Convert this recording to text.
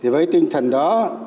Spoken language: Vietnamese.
với tinh thần đó